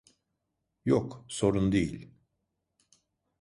Yok, sorun değil.